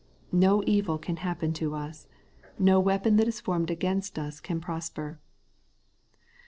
No evil can happen to us; no weapon that is formed against us can prosper.